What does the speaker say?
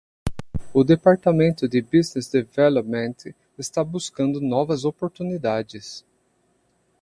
O departamento de Business Development está buscando novas oportunidades.